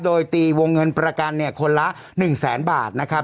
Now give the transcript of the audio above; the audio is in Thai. โดยตีวงเงินประกันเนี่ยคนละ๑แสนบาทนะครับ